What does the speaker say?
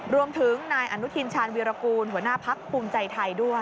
รวมถึงนายอนุทินชาญวีรกูลหัวหน้าพักภูมิใจไทยด้วย